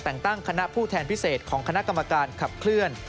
แต่งตั้งคณะผู้แทนพิเศษของคณะกรรมการขับเคลื่อน